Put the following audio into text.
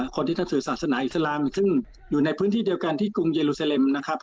คนที่ท่านสื่อศาสนาอิสลามซึ่งอยู่ในพื้นที่เดียวกันที่กรุงเยลูเซเลมนะครับ